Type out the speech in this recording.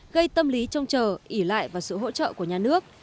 gây tâm lý trông chờ ỉ lại vào sự hỗ trợ của nhà nước